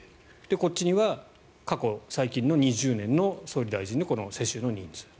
こっちには過去、最近の２０年の総理大臣のこの世襲の人数。